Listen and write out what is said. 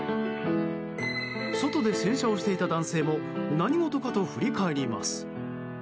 外で洗車をしていた男性も何事かと振り返ります。